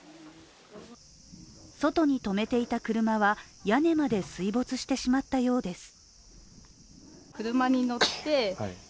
外に止めていた車は屋根まで水没してしまったようです。